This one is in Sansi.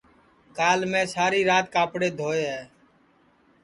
کال میں ساری رات کاپڑے دھوئے ہے